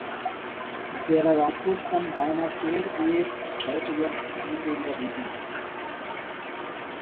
There are also some dinosaur eggs that were found in the region.